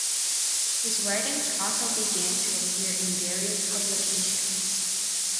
His writings also began to appear in various publications.